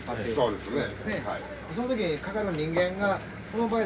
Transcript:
そうですね。